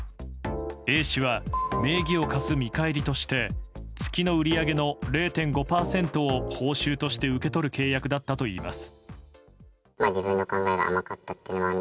Ａ氏は名義を貸す見返りとして月の売り上げの０．５％を報酬として受け取る契約だったといいます。